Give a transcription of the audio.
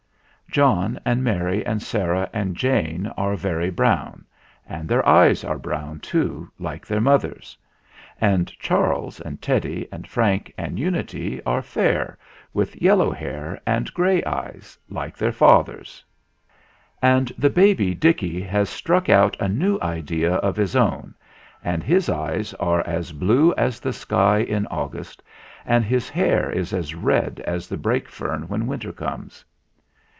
John and Mary and Sarah and Jane are very brown, and their eyes are brown, too, like their mother's; and Charles and Teddy and Frank and Unity are fair, with yellow hair and grey eyes, like their father's ; and the baby, Dicky, has struck out a new idea of his own, and his eyes are as blue as the sky in August and his hair is as red as the brake fern when winter comes.